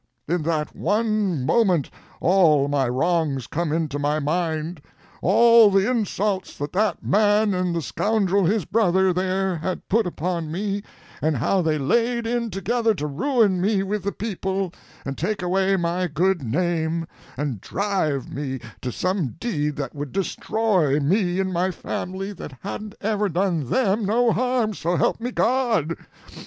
In that one moment all my wrongs come into my mind; all the insults that that man and the scoundrel his brother, there, had put upon me, and how they laid in together to ruin me with the people, and take away my good name, and drive me to some deed that would destroy me and my family that hadn't ever done them no harm, so help me God!